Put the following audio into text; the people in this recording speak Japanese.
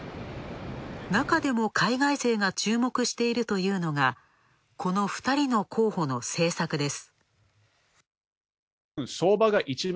なかでも海外勢が注目しているというのが、この２人の候補の政策です。